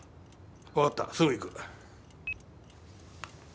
わかったすぐ行く。